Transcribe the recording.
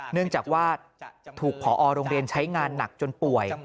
เนื่องจากว่าถูกพอโรงเรียนใช้งานหนักจนป่วย